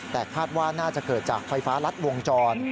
แต่คาดว่าน่าจะเกิดจากไฟฟ้ารัดวงจร